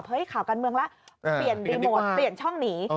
ข่าวการเมืองแล้วเปลี่ยนรีโมทเปลี่ยนช่องหนี